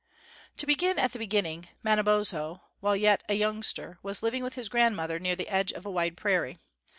To begin at the beginning, Manabozho, while yet a youngster, was living with his grandmother near the edge of a wide prairie.